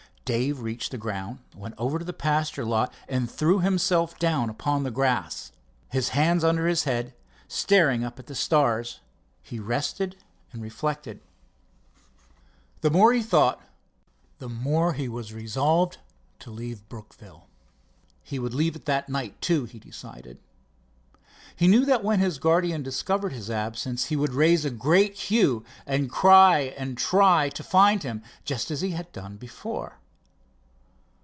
Dave reached the ground, went over to the pasture lot and threw himself down upon the grass. His hands under his head, staring up at the stars, he rested and reflected. The more he thought the more was he resolved to leave Brookville. He would leave it that night, too, he decided. He knew that when his guardian discovered his absence he would raise a great hue and cry and try to find him, just as he had done before.